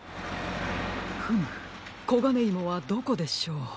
フムコガネイモはどこでしょう？